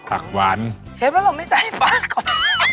ผักหวานเชฟแล้วเราไม่ใช้ปลากรอบ